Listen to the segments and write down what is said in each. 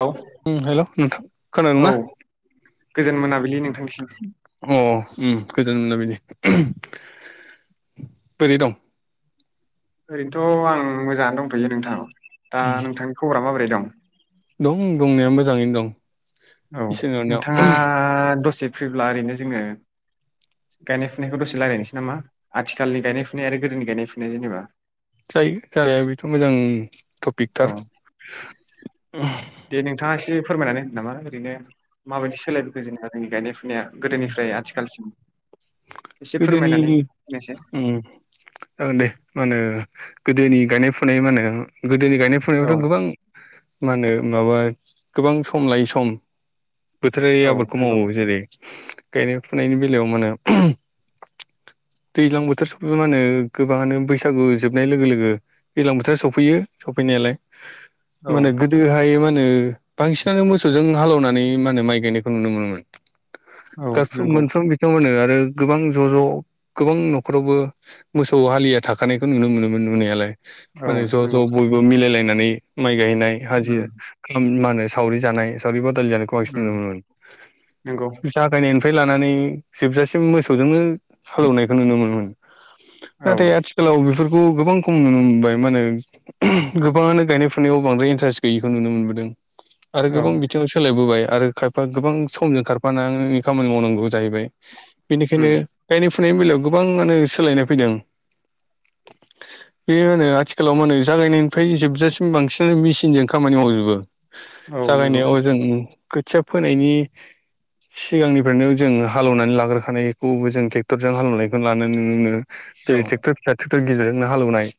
औ ओम हेल' नोंथां औ खोनादोंना? गोजोन मोनाबिलि नोंथांनिसिम। ओम गोजोन मोनाबिलि। बोरै दं? ओरैनोथ' आं मोजाङानो दंथ'यो नोंथां। दा नोंथांनि खबरा माबोरै दं? दं दंनाया मोजाङैनो दं। औ इसोरनि अननायाव नोंथाङा दसे फैब्ला ओरैनो जोङो गायनाय फुनायखौ दसे लायरायसै नामा, आथिखालनि गायनाय फुनाय आरो गोदोनि गायनाय फुनाय जेनेबा । जायो जानाया बेथ' मोजां। औ ट'पिकथार, दे । नोंथाङा एसे फोरमायनानै होनो नामा ओरैनो मा बायदि सोलायबोखो जेनेबा जोंनि गायनाय फु फुनाया गोदोनिफ्राय आथिखालसिम एसे गोदोनि फोरमायनानै होनायसाय ओम ओ दे मा होनो गोदोनि गायनाय फुनाय मा होनो गोदोनि गायनाय औ फुनायबाथ' गोबां मा होनो माबा गोबां सम लायै सम बोथोरारि औ आबादखौ नंगौ मावो जेरै गायनाय फुनायनि बेलायाव मा होनो दैज्लां बोथोर सफैबा मा होनो गोबाङानो बैसागु जोबनाय लोगो लोगो दैज्लां बोथोरा सफैयो सफैनायालाय औ माहोनो गोदोहाय मा नो होनो बांसिनानो मोसौजों हालौनानै मा होनो माइ गायनायखौ नुनो मोनोमोन। औ गारफ्रोम नंगौ मोनफ्रोम बिथिंङावनो मा होनो आरो गोबां ज' ज' गोबां न'खरावबो मोसौ हालिया थाखानायखौ नुनो मोनोमोन नुनायालाय। औ माने ज' ज' नंगौ बयबो मिलायलायनानै माइ गायनाय हाजिर उम मा होनो सावरि जानाय सावरि बादालि जानायखौ बांसिन उम नुनो मोनोमोन। नंगौ जागायनायनि फाय लानानै जोबजासिम मोसौजोंनो हालौवनायखौ नुनो मोनोमोन। औ नाथाय आथिखालाव बेफोरखौ गोबां खम नुनो मोनबाय, माहोनो गोबाङानो गायनाय फुनायाव बांद्राय इन्टारेस्ट गैयिखौ नुनो मोनबोदों। आरो औ गोबां बिथिङाव सोलायबोबाय आरो खायफा गोबां समजों खारफानानै खामानि मावनांगौ जाहैबाय, बेनिखायनो उम गायनाय फुनायनि बेलायाव गोबांङानो सोलायनाय फैदों। [inaudible] बेयोनो आथिखालाव मा होनो जागायनायनिफ्राय जोबजासिम बांसिन मेचिनजों खामानि मावजोबो। औ नंगौ जागायनायाव जों खोथिया फोनायनि सिगांनिफ्रायनो जों हालेवनानै लाग्रोखानायखौबो जों ट्रेक्टरजों हालौनायखौ लानाय नुनो मोनो। जेरै औ टेक्टर फिसा, टेक्टर गिदिरजोंनो हालौनाय।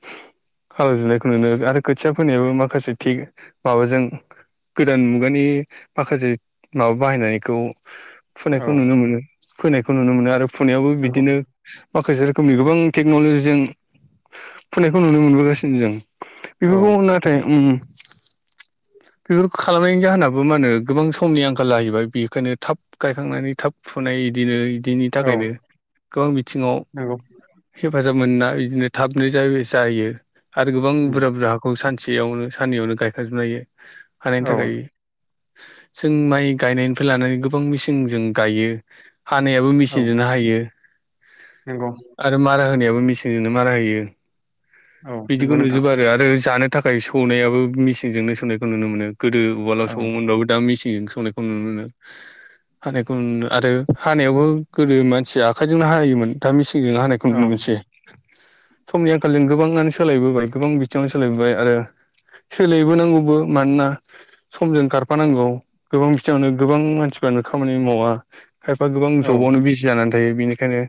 खालामजोबनायखौ नुनो आरो खोथिया फोनायाबो माखासे थिग माबाजों गोदान मुगानि माखासे माबा बाहायनायखौ फुनायखौ औ नुनो मोनो, फोनायखौ नुनो मोनो आरो फुनायावबो नंगौ बिदिनो माखासे रोखोमनि गोबां टेक्न'लजिजों फुनायखौ नुनो मोनबोगासिनो जों। औ बेफोरखौ नाथाय उम बेफोरखौ खालामनायनि जाहोनाबो मा होनो गोबां समनि आंखाल जाहैबाय, बेखायनो थाब गायखांनानै थाब फुनाय इदिनो बिनि औ थाखायनो गोबां बिथिङाव नंगौ हेफाज जाब मोन्ना इदिनो थाबनो जावयो जायो आरो गोबां उम, बुरजा बुरजाखौ सान सेयावनो साननैयावनो गायखांजोबनो हायो, हानायनि औ थाखाय जों माइ गायनायनिफ्राय लानानै गोबां मेसिं जों गायो। हानायाबो औ मेचनजोंनो हायो नंगौ आरो मारा होनायाव मिसिनजोंनो मारा होयो औ बिदिखौ नंगौ नोंथां नुजुबो आरो आरो जानो थाखाय सौनायाबो मेचिनजोंनो सौनायखौ नुनो मोनो गोदो उवालाव औ सौओमोनब्लाबो दा मेसिनजों संनायखौ नुनो मोनो। हानायखौ नु आरो हानायावबो गोदो मानसि आखाइजोंनो हायोमोन दा मिसि हानायखौ औ नुनो मोनसै। समनि आंखालजों गोबाङानो सोलायबोबाय गोबां बिथिङनो सोलायबोबाय आरो सोलायबोनांगौबो मानोना समजों खारफानांगौ गोबां बिथिङावनो गोबां मानसि गोबानो खामानि मावा खायफा गोबां औ जबावनो बिजि जानानै थायो बेनिखायनो बेखायनो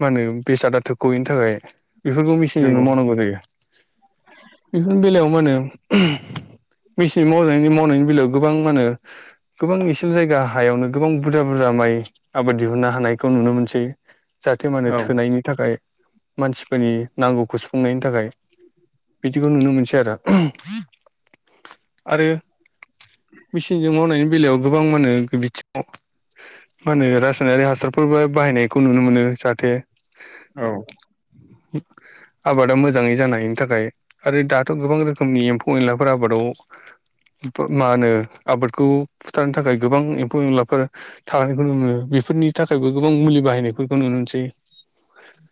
मा होनो बेसादा थो गयैनि थाखाय बेफोरखौ मेसिनजोंनो नंगौ मावनांगौ जायो बेफोरनि बेलायाव मा होनो? मेसिन मावनायनि मावनायनि बेलायाव गोबां मा होनो गोबां एसिन जायगा । हायावनो गोबां बुरजा बुरजा माइ आबाद दिहुननो हानायखौ नुनो मोनसै । जाहाथे मान होने औ थोनायनि थाखाय मानसिफोरनि नांगौखौ सुफुंनायनि थाखाय । बिदिखौ नुनो मोनसै आरो । आरो मिचिनजों मावनायनि बेलायाव गोबां मा होनो मा होनो रासायनारि हासारफोरबो बाहायनायखौ नुनो मोनो जाहाथे औ । आबादा मोजाङै जानायनि थाखाय आरो दाथ' गोबां रोखोमनि एम्फौ एनलाफोर आबादाव मा होनो आबादखौ फुथारनो थाखाय गोबां लाफोर थनायखौ नुो बेफोरनि थाखायबो गोबां मुलि बाहायनायफोरखौ नुनो मोनसै । [inaudible]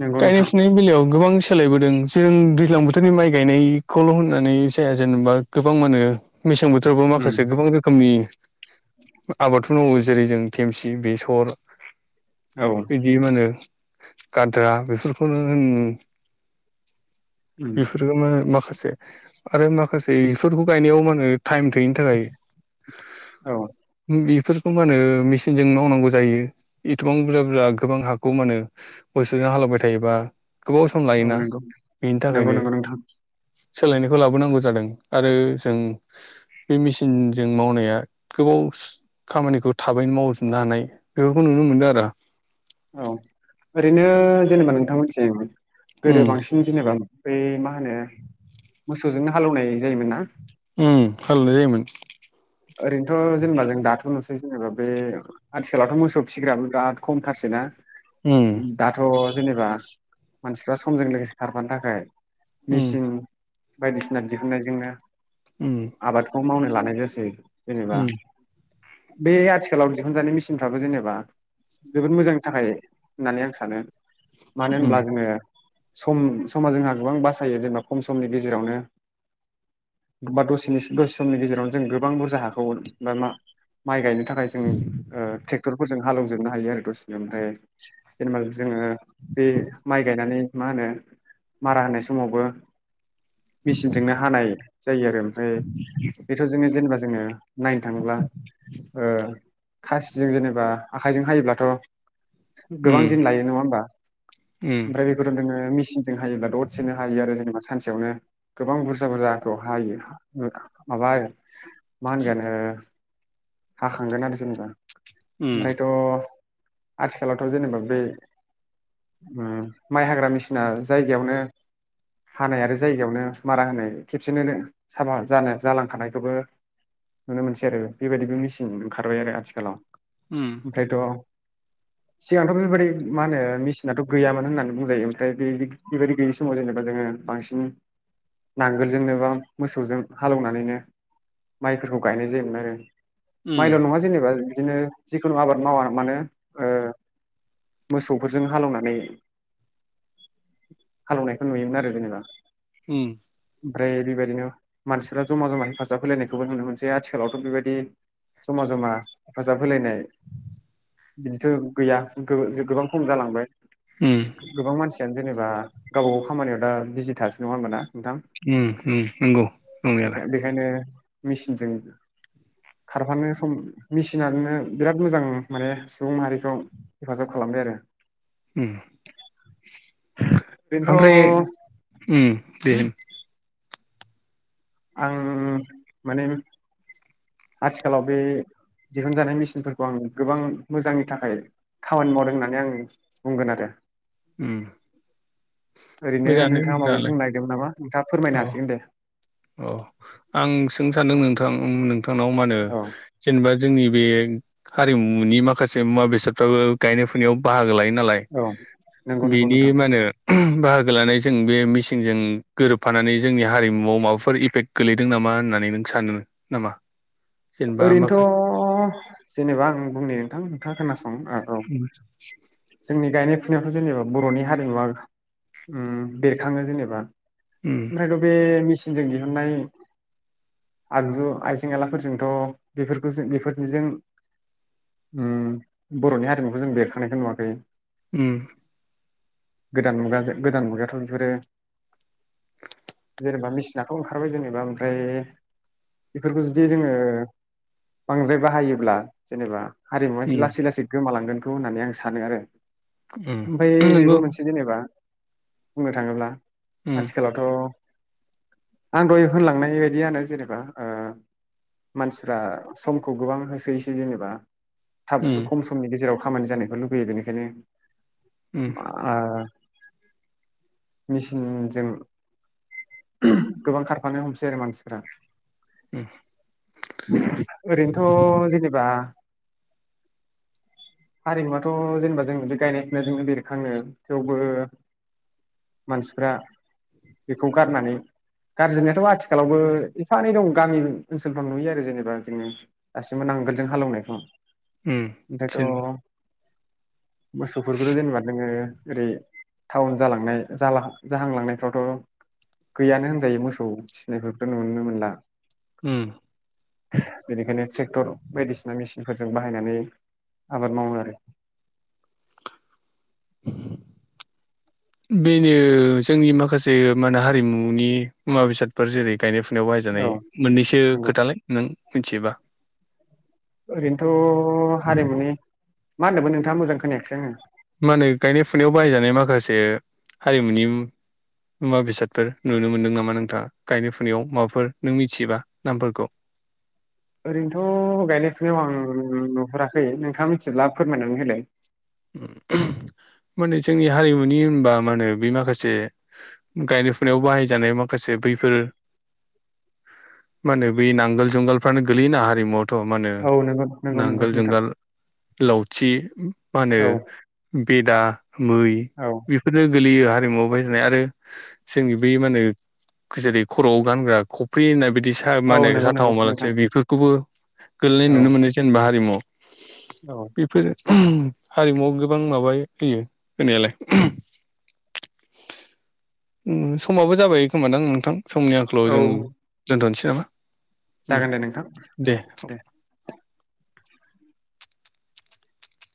नंगौ गायनाय नोंथां फुनायनि बेलायाव गोबां सोलायबोदों जों दैज्लां बोथोरनि माइ गायनायखौल' होननानै जाया जेनेबा गोबां माहोनो मेसें बोथोरावबो उम, माखासे गोबां रोखोमनि आबादखौ मावो जेरै जों खेमसि बेसर औ बिदि मा होनो गद्रा बेफोरखौनो उम, बेफोरनो माखासे आरो माखासे बेफोरखौ गायनायाव मा होनो? टाइम गैयिनि थाखाय औ बेफोरखौ मान होने मेचिनजों मावनांगौ जायो एथबां बुरजा बुरजा गोबां हाखौ मा होनो गोसोजों हालवबाय थायोबा गोबाव सम औ लायोना नंगौ बेनि नंगौ थाखायनो नंगौ नोंथां । सोलायनायखौ लाबोनांगौ जादों आरो जों बे मेसिनजों मावनाया गोबाव खामानिखौ थाबैनो मावजोबनो हानाय बेफोरखौ नुनो मोनदों आरो । औ ओरैनो जेनेबा नोंथांमोनसि उम गोदो बांसिन जेनेबा बै मा होनो मोसौजोंनो हालौवनाय जायोमोन ना? हालौनाय जायोमोन ओरैनोथ' जेनेबा जों दाथ' नुसै जेनेबा बे आथिखालावथ' मोसौ फिग्राबो बिराद खमथारसै ना? दाथ' जेनेबा मानसिफ्रा समजों लोगोसे खारफानो थाखाय उम मेसिन बायदिसिना दिहुननायजोंनो उम। आबादखौ मावनो लानाय जासै जेनेबा उम बे आथिखालाव दिहुनजानाय मेसिनफ्राबो जेनेबा जोबोद मोजांनि थाखाय होननानै आं सानो मानो उम होनब्ला उम जोङो सम समा जोंहा गोबां बासायो जेनेबा खम समनि गेजेरावनो बा दसे दसे समनि गेजेराव जों गोबां हाखौ माइ गायनो थाखाय जों ट्रेक्टर फोरजों हालेवजोबनो हायो आरो दसे ओमफ्राय जेनेबा जोङो बे माइ गायनानै मा होनो मारा होनाय समावबो मेचिनजोंनो हानाय जायो आरो ओमफ्राय बेथ' जोंनो जेनेबा जोङो नायनो थाङोब्ला ओ खासिजों जेनेबा आखाइजों हायोब्लाथ' गोबां दिन लायो नङा होमबा उम ओमफ्राय बेफोर नोङो मेचिन जों हायोब्ला दसेनो हायो जेनेबा सानसेयावनो गोबां बुरजा बुरजाखौ हायो माबा [unintelligible] मा होनगोन ओ हाखांगोन आरो जेनेबा उम ओमफ्रायथ' आथिखालावथ' जेनेबा बे माइ हाग्रा मेचिना जायगायावनो हानाय आरो जायगायावनो मारा होनाय खेबसेनो साफा जानाय जालांखानायखोबो नुनो मोनसै आरो बेबायदिबो मेचिन ओंखारबाय आरो आथिखालाव ओमफ्रायथ' सिगांथ' बेबायदि मा होनो मेचिनाथ' गैयामोन होननानै बुंजायो ओमफ्राय बे बेबायदि गैयि समाव जेनेबा जोङो बांसिन नांगोलजोंनो बा मोसौजों हालेवनानैनो माइफोरखौ गायनाय जायोमोन आरो माइल' नङा जेनेबा बिदिनो जिखुनु आबाद मावा मानो ओ मोसौफोरजों हालेवनानै हालेनायखौ नुयोमोन आरो जेनेबा उम ओमफ्राय बेबायदिनो मानसिफोरा जमा जमा हेफाजाब होलायनायखौ बेखौबो नुनो मोनसै आथिखालावथ' बेबायदि जमा जमा हेफाजाब होलायनाय बिदिथ' गैया गो गोबां खम जालांबाय उम गोबां मानसियानो जेनेबा गावबा गाव खामानियाव दा बिजि थासै नङा होमबा ना नोंथां उम उम नंगौ नंनायालाय बेखायनो मेचिनजों खारफानो सम मेचिनो बिराद मोजां माने सुबुं माहारिखौ हेफाजाब खालामो बाय आरो ओमफ्राय ओरैनोथ' उम दे आं माने आथिखालाव बे दिहुनजानाय मेचिनफोरखौ आं गोबां मोजांनि थाखाय खामानि मावदों होननानै आं बुंगोन आरो उम ओरैनो मोजाङानो नोंथाङा माबा मोजाङालाय बुंनो नागिरदोंमोन नामा नोंथाङा फोरमायनो हासिगोन दे अ आं सोंनो सान्दों नोंथां नों नोंथांनाव मा होनो औ जेनेबा जोंनि बे हारिमुनि माखासे मुवा बेसादफ्राबो गायनाय फुनायाव बाहागो लायो नालाय औ नंगौ नंगौ बिनि नोंथां मा होनो बाहागो लानाय जों बे मेचिनजों गोरोबफानानै जोंनि हारिमुवाव माबा फोर इफेक्ट गोलैदों नामा होननानै नों सानो नामा जेनेबा माखा ओरैनोथ' जेनेबा आं बुंनि नोंथां नोंथाङा खोनासं औ उम जोंनि गायनाय फुनायखौ जेनेबा बर'नि हारिमुवा उम बेरखाङो जेनेबा उम ओमफ्रायथ' बे मेचिनजों दिहुननाय आगजु आइजें आयलाफोरजों द' बेफोरखौ जों बेफोरनिजों उम बर'नि हारिमुखौ जों बेरखानायखौ नुवाखै उम गोदान मुगाजों गोदान मुगायाथ' बेफोरो जेनेबा मेचिनाथ' ओंखारबाय जेनेबा ओमफ्राय बेफोरखौ जुदि जोङो बांद्राय बाहायोब्ला जेनेबा हारिमुवा उम लासै लासै गोमालांगोन होननानै आं सानो आरो ओमफ्राय उम बेबो नंगौ मोनसे जेनेबा बुंनो थाङोब्ला उम आथिखालावथ' आं दहाय होनलांनाय बायदियानो जेनेबा ओ मानसिफ्रा समखौ गोबां होसोयैसै जेनेबा थाब उम खम समनि गेजेराव खामानि जानायखौ लुबैयो बेनिखायनो उम मेचिनजों गोबां खारफानो हमसै आरो मानसिफोरा [unintelligible] ओरैनोथ' जेनेबा हारिमुवाथ' जेनेबा जों गायनाय फनाय जोंनो बेरखाङो थेवबो मानसिफ्रा बेखौ गारनानै गारजेननायाथ' आथिखालावबो एफा एनै दं गामि ओ सोलफ्राव नुयो आरो जेनेबा जोंङ दासिमबो नांगोलजों हालेवनायखौ उम ओमफ्रायथ' मोसौफोरखौथ' जेनेबा नोङो ओरै टाउन जालांनाय जाहांलांनायफ्रावथ' गैयानो होनजायो मोसौ फिसिनायथ' नुनो मोनला उम बेनिखायनो ट्रेक्टर बायदिसिना मेसिनफोरजों बाहायनानै आबादमावोआरो बेनो जोंनि माखासे मा होनो हारिमुनि मुवा बेसादफोर जेरै गायनाय फुनायाव बाहायजानाय औ मोननैसो नंगौ खोथालाय नों मिथियोबा ओरैनोथ' हारिमुनि मा होनदोंबो नोंथाङा मोजां खोनायाखाससै आङो मा होनो गायनाय फुनायाव बाहायजानाय माखासे हारिमुनि मुवा बेसादफोर नुनो मोनदों नामा नोंथाङा गायनाय फुनायाव माबाफोर नों मिथियोबा नामफोरखौ [unintelligible] ओरैनोथ' गायनाय फुनायाव आं नुहुराखै नोंथाङा मिथिब्ला फोरमायनानै होलाय [inaudible] माने जोंनि हारिमुनि होनबा मा होनो बे माखासे गायनाय फुनायाव बाहायजानाय मा खासे बैफोर [inaudible] मा होनो बै नांगोल जुंगालफ्रानो गोलैयोना हारिमुआव थ' मा होनो औ नंगौ नंगौ नंगौ नांगोल नोंथां जुंगाल लावथि मा होनो औ बेदा मै औ बेफोरनो गोलैयो हारिमुआव बाहायजानाय आरो जोंनि बै मा होनो गसेरै खर'आव गानग्रा खफ्रि होननाय बिदि बिदि सा औ माहोनो नंगौ नंगौ नोंथां साथावमालसो बेफोरखौबो गोलैनाय औ नुनो मोनो जेनेबा हारिमु आव औ बेफोरो हारिमुवआव गोबां माबा होयो होनायालाय समाबो जाबाय खोमा दां नोंथां। समनि आंखोलाव औ जों दोनथ'नोसै नामा? जागोन दे नोंथां औ दे